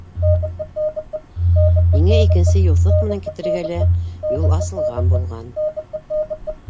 Һиңә икенсе юҫыҡ менән китергә лә юл асылған булған...